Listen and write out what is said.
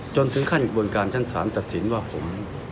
จนถึงขั้นกระบวนการชั้นศาลตัดสินว่าผม